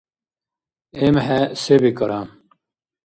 ЭмхӀе се бикӀара?